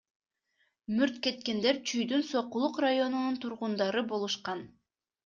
Мүрт кеткендер Чүйдүн Сокулук районунун тургундары болушкан.